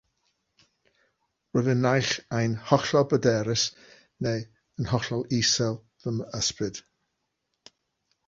Roeddwn naill ai'n hollol bryderus neu'n hollol isel fy ysbryd.